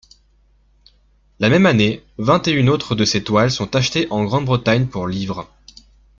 La même année, vingt-et-une autres de ses toiles sont achetées en Grande-Bretagne pour livres.